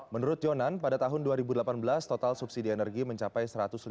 menurut jonan pada tahun dua ribu delapan belas total subsidi energi mencapai satu ratus lima puluh